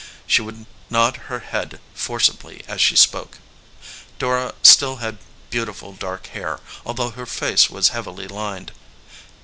She would nod her head forcibly as she spoke. Dora still had beautiful dark hair, although her face was heavily lined.